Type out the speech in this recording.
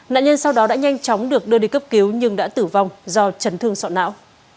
nạn nhân sau đó đã nhanh chóng được đưa đi cấp cứu nhưng đã tử vong do chấn thương sọ não